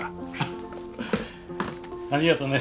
ありがとね。